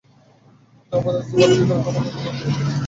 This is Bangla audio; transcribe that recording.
না, উপদেশ দিবার অধিকার ও ক্ষমতা আমার নাই।